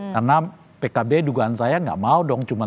karena pkb dugaan saya tidak mau dong cuma satu